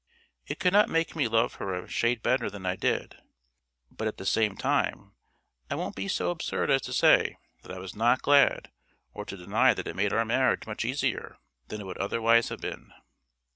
It could not make me love her a shade better than I did; but at the same time I won't be so absurd as to say that I was not glad, or to deny that it made our marriage much easier than it would otherwise have been.